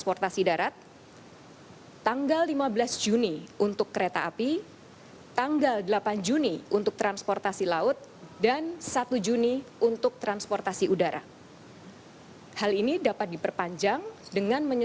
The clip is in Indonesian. pertanyaan inilah bagaimana peraturan ini akan tahu dari pihak pelabuhan tersebut jadi bootyp ending ziekthuraan muda arti harga kembali zaman hampir tanpa penahanannya